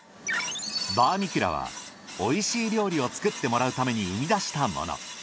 バーミキュラはおいしい料理を作ってもらうために生み出したもの。